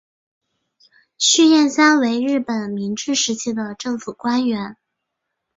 续彦三为日本明治时期政府官员。